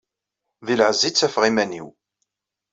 Di lɛezza i ttafeɣ iman-iw.